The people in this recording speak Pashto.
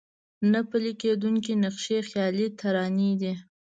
نه پلي کېدونکي نقشې خيالي ترانې دي.